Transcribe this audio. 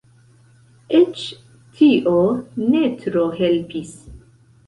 Eĉ tio ne tro helpis.